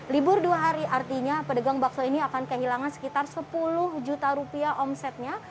libur dua hari artinya pedagang bakso ini akan kehilangan sekitar sepuluh juta rupiah omsetnya